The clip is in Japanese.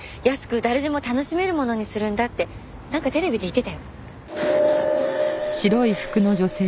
安く誰でも楽しめるものにするんだってなんかテレビで言ってたよ。